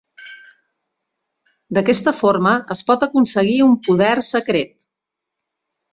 D'aquesta forma es pot aconseguir un poder secret.